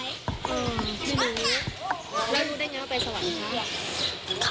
แล้วรู้ได้ยังไงว่าไปสวรรค์ค่ะ